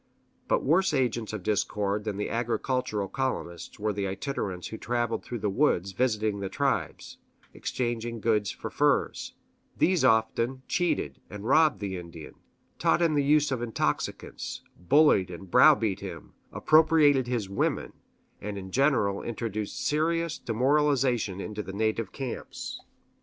But worse agents of discord than the agricultural colonists were the itinerants who traveled through the woods visiting the tribes, exchanging goods for furs; these often cheated and robbed the Indian, taught him the use of intoxicants, bullied and browbeat him, appropriated his women, and in general introduced serious demoralization into the native camps.